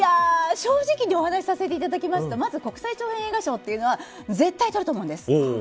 正直にお話しさせていただきますとまず国際長編映画賞は絶対取れると思うんです。